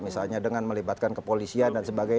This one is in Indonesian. misalnya dengan melibatkan kepolisian dan sebagainya